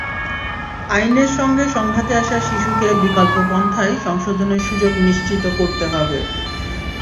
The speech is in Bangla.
আইনের সঙ্গে সংঘাতে আসা শিশুকে বিকল্প পন্থায় সংশোধনের সুযোগ নিশ্চিত করতে হবে।